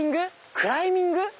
クライミング？